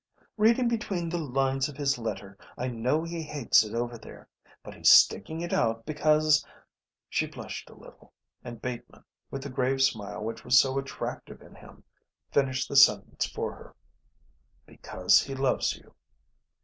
"Reading between the lines of his letter I know he hates it over there, but he's sticking it out because...." She blushed a little and Bateman, with the grave smile which was so attractive in him, finished the sentence for her. "Because he loves you."